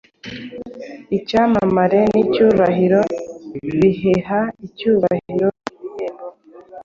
Icyamamare nicyubahiro, biheha icyubahiro ibihembo